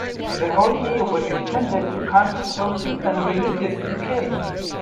The Holy year was intended to counter social and religious decay.